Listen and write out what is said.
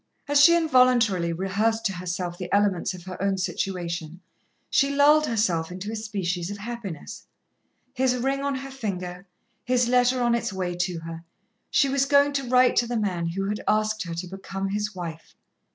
As she involuntarily rehearsed to herself the elements of her own situation, she lulled herself into a species of happiness. His ring on her finger, his letter on its way to her she was going to write to the man who had asked her to become his wife.